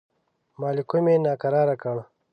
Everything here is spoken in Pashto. مالکم یې ناکراره کړ.